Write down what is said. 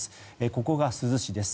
ここが珠洲市です。